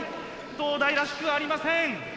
東大らしくありません。